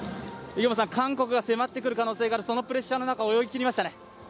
韓国が迫ってくる可能性があるプレッシャーの中泳ぎ切りましたね。